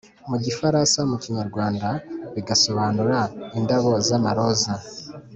mu gifaransa; mu kinyarwanda bigasobanura “indabo z’amaroza